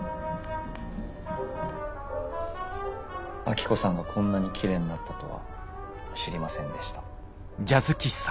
アキコさんがこんなにきれいになったとは知りませんでした。